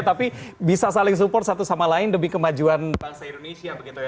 tapi bisa saling support satu sama lain demi kemajuan bangsa indonesia begitu ya